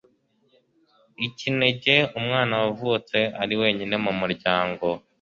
ikinege umwana wavutse ari wenyine mu muryango